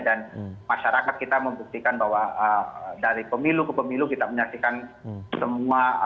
dan masyarakat kita membuktikan bahwa dari pemilu ke pemilu kita menyaksikan semua